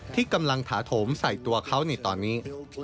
ที่กำลังถาโถมใส่ตัวเขาในตอนนี้